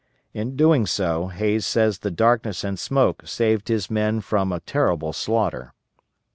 In doing so Hays says the darkness and smoke saved his men from a terrible slaughter.